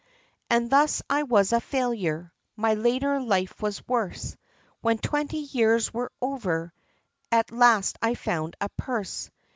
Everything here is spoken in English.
And thus I was a failure, my later life was worse, When twenty years were over, at last I found a purse.